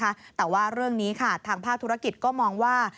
ปลายปีนะคะแต่ว่าเรื่องนี้ค่ะทางภาคธุรกิจก็มองว่า